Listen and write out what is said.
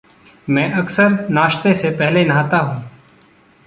मैं अक्सर नाश्ते से पहले नहाता हूँ।